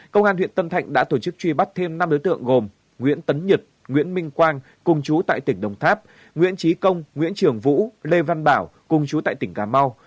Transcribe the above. công an huyện tân thạnh đã tổ chức truy bắt thêm năm đối tượng gồm nguyễn tấn nhật nguyễn minh quang cùng chú tại tỉnh đồng tháp nguyễn trí công nguyễn trường vũ lê văn bảo cùng chú tại tỉnh cà mau